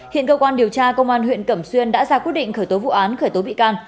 hiện cơ quan điều tra công an huyện cẩm xuyên đã ra quyết định khởi tố vụ án khởi tố bị can